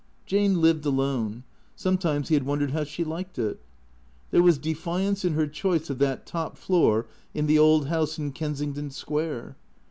Jane lived alone. Sometimes he had wondered how she liked it. There was defiance in her choice of that top floor in the old house in Kensington Square.